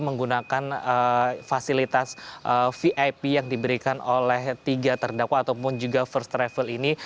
menggunakan fasilitas vip yang diberikan oleh tiga terdakwa ataupun juga first travel ini